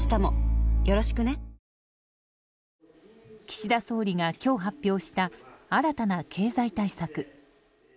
岸田総理が今日発表した新たな経済対策。